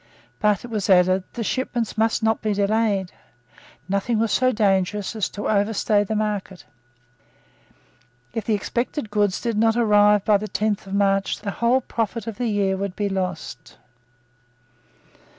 But, it was added, the shipments must not be delayed. Nothing was so dangerous as to overstay the market. If the expected goods did not arrive by the tenth of March, the whole profit of the year would be lost.